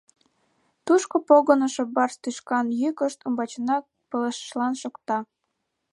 Тушко погынышо барс тӱшкан йӱкышт умбачынак пылышлан шокта.